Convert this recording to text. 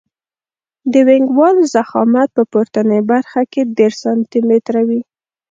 د وینګ وال ضخامت په پورتنۍ برخه کې دېرش سانتي متره وي